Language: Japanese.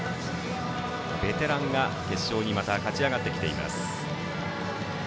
ベテランが決勝にまた勝ち上がってきています。